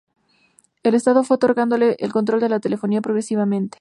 El estado fue otorgándole el control de la telefonía progresivamente.